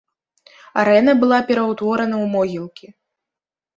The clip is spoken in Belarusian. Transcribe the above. Арэна была пераўтворана ў могілкі.